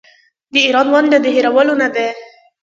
د ایران ونډه د هیرولو نه ده.